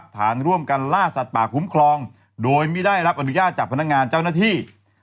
ฐานร่วมกันล่าสัตว์ป่าคุ้มครองโดยไม่ได้รับอนุญาตจากพนักงานเจ้าหน้าที่